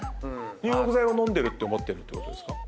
入浴剤を飲んでるって思ってるってことですか？